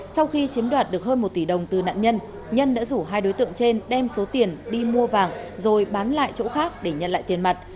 sau khi chiếm đoạt được hơn một tỷ đồng từ nạn nhân nhân đã rủ hai đối tượng trên đem số tiền đi mua vàng rồi bán lại chỗ khác để nhận lại tiền mặt